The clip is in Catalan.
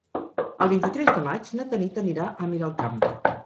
El vint-i-tres de maig na Tanit anirà a Miralcamp.